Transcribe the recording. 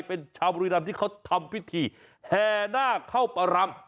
เป็นชาวบุรีรำที่เขาทำพิธีแห่นาคเข้าประรำ